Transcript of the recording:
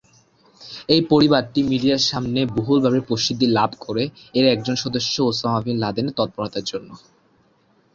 এই পরিবারটি মিডিয়ার সামনে বহুলভাবে প্রসিদ্ধি লাভ করে এর একজন সদস্য ওসামা বিন লাদেনের তৎপরতার জন্য।